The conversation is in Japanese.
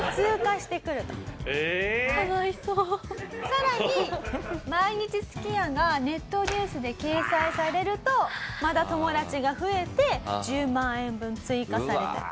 さらに毎日すき家がネットニュースで掲載されるとまた友達が増えて１０万円分追加されたり。